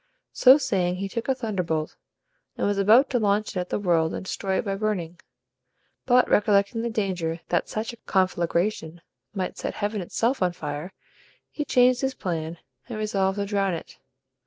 So saying he took a thunderbolt, and was about to launch it at the world, and destroy it by burning; but recollecting the danger that such a conflagration might set heaven itself on fire, he changed his plan, and resolved to drown it.